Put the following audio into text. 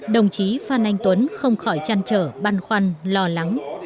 đồng chí phan anh tuấn không khỏi chăn trở băn khoăn lo lắng